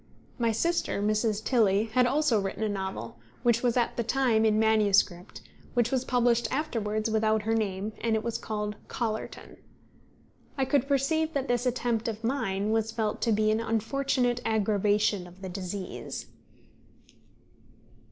My sister, Mrs. Tilley, had also written a novel, which was at the time in manuscript which was published afterwards without her name, and was called Chollerton. I could perceive that this attempt of mine was felt to be an unfortunate aggravation of the disease.